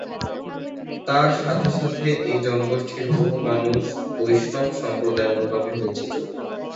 তার সাথে সাথে এই জনগোষ্ঠীর বহু মানুষ বৈষ্ণব সম্প্রদায় অনুগামী হয়েছিল।